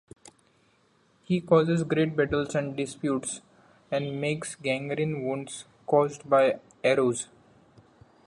He causes great battles and disputes, and makes gangrene wounds caused by arrows.